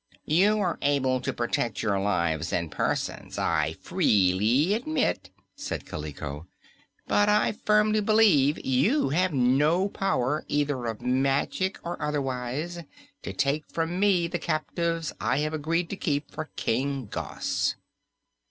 "You are able to protect your lives and persons, I freely admit," said Kaliko; "but I firmly believe you have no power, either of magic or otherwise, to take from me the captives I have agreed to keep for King Gos."